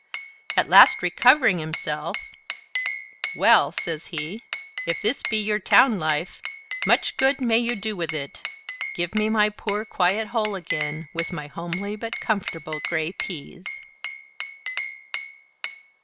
At last, recovering himself: "Well," says he, "if this be your town life, much good may you do with it: give me my poor, quiet hole again, with my homely but comfortable gray pease."